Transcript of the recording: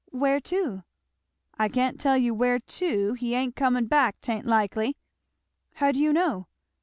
"Where to?" "I can't tell you where teu he ain't coming back, 'tain't likely." "How do you know?"